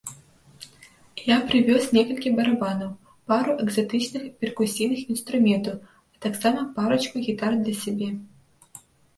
Я прывёз некалькі барабанаў, пару экзатычных перкусійных інструментаў, а таксама парачку гітар для сябе.